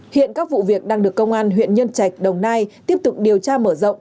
hiện các vụ việc đang được công an huyện nhân trạch đồng nai tiếp tục điều tra mở rộng